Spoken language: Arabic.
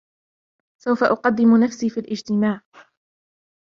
سوف أقدم نفسي في الاجتماع.